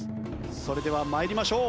それでは参りましょう。